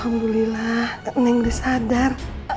alah eneng gak sadar